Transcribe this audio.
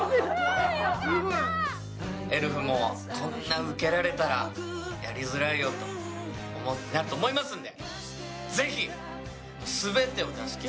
エルフもこんなにうけられたらやりづらいよとなると思いますので。